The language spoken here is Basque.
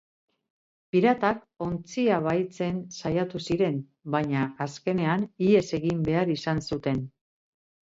Piratak ontzia bahitzen saiatu ziren, baina azkenean ihes egin behar izan zuten.